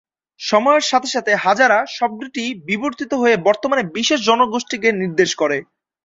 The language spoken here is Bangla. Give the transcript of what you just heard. সময়ের সাথে সাথে, "হাজারা" শব্দটি বিবর্তিত হয়ে বর্তমানে বিশেষ জনগোষ্ঠীকে নির্দেশ করে।